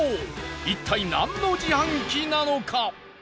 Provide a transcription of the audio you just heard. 一体、なんの自販機なのか？